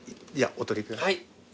お取りください。